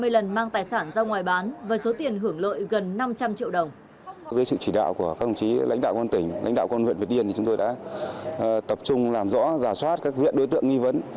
ba mươi lần mang tài sản ra ngoài bán với số tiền hưởng lợi gần năm trăm linh triệu đồng